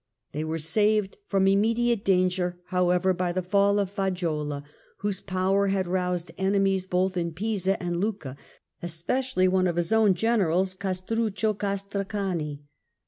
They were saved from immediate danger, however, by the fall of Faggiuola, whose power had roused enemies both in Pisa and Lucca, especially one of his own generals, Castruccio Castracani.